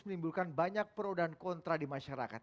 menimbulkan banyak pro dan kontra di masyarakat